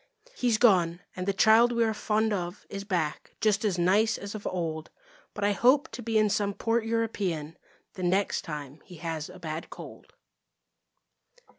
He's gone, and the child we are fond of Is back, just as nice as of old. But I hope to be in some port European The next time he has a bad cold.